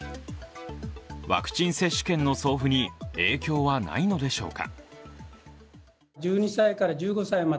ワクチン接種券の送付に影響はないのでしょうか。